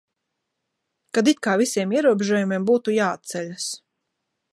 Kad it kā visiem ierobežojumiem būtu jāatceļas.